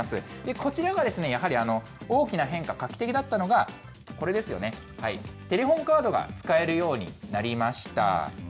こちらがやはり大きな変化、画期的だったのが、これですよね、テレホンカードが使えるようになりました。